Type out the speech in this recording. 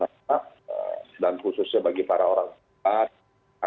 tetap dan khususnya bagi para orang tua